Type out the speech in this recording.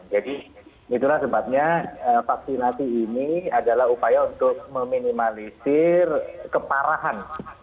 itulah sebabnya vaksinasi ini adalah upaya untuk meminimalisir keparahan